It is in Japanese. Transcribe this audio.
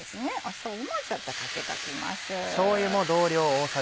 しょうゆもちょっとかけときます。